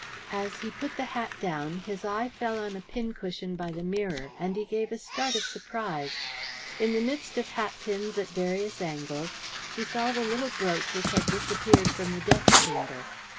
As he put the hat down his eye fell on a pincushion by the mirror, and he gave a start of surprise. In the midst of hatpins at various angles he saw the little brooch which had disappeared from the death chamber.